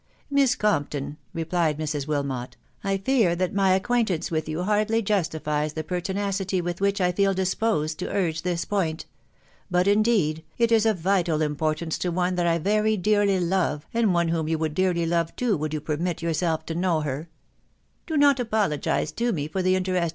u Miss Compton," replied Mrs. Wilmot, " I fear that my acquaintance with you hardly justifies the pertinacity with which I feel disposed to urge this point ; but, indeed, it is of vital importance to one that I very dearly love, and one whom you would dearly love too, would you permit yourself to know her/' * Do not apologise to me for the utaxesft.